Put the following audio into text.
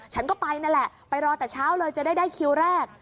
ฉันก็ไปนั่นแหละไปรอแต่เช้าเลยจะได้คิวแรก